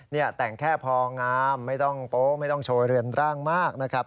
นี่แต่งแค่พองามไม่ต้องโป๊ไม่ต้องโชว์เรือนร่างมากนะครับ